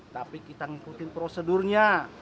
tapi kita ngikutin prosedurnya